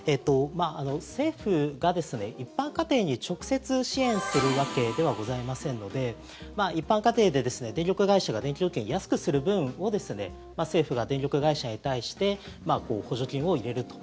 政府が一般家庭に直接支援するわけではございませんので一般家庭で電力会社が電気料金を安くする分を政府が電力会社に対して補助金を入れると。